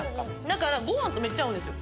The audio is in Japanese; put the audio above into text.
だからご飯とめっちゃ合うんですよ。